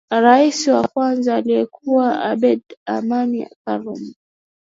Rais wa kwanza alikuwa Abeid Amani Karume